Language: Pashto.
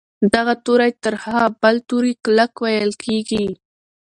دغه توری تر هغه بل توري کلک ویل کیږي.